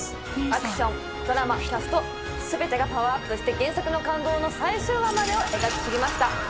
アクションドラマキャスト全てがパワーアップして原作の感動の最終話までを描ききりました。